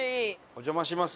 お邪魔します。